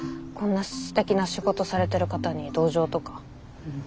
こんな素敵な仕事されてる方に同情とか。